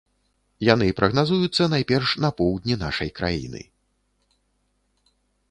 Яны прагназуюцца найперш на поўдні нашай краіны.